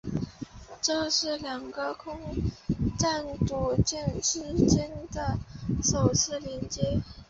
这是两个空间站组件之间的首次连接。